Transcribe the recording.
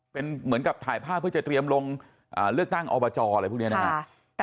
เป็นเหมือนกับถ่ายภาพเพื่อจะเตรียมลงเลือกตั้งอบจอะไรพวกนี้นะครับ